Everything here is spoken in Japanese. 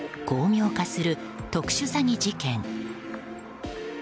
巧妙化する特殊詐欺事件。